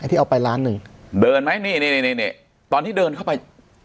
ที่เอาไปล้านหนึ่งเดินไหมนี่นี่นี่ตอนที่เดินเข้าไป